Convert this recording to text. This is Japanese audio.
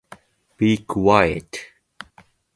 静かにして